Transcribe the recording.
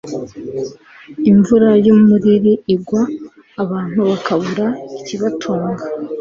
imvura y'umuriri igwa, abantu bakabura ikibatunga